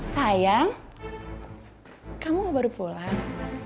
sayang kamu baru pulang